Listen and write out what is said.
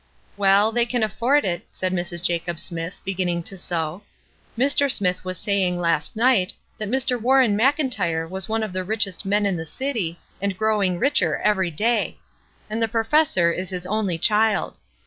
*'Well, they can afford it," said Mrs. Jacob Smith, beginning to sew. ''Mr. Smith was say ing last night that Mr. Warren Mclntyre was one of the richest men in the city, and growing richer every day ; and the Professor is his only child.